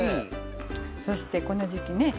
そしてこの時季ね